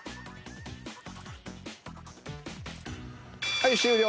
はい終了。